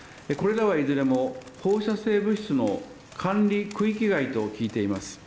これらはいずれも放射性物質の管理区域外と聞いています。